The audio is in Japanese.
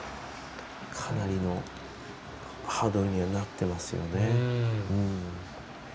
かなりのハードにはなってますよね。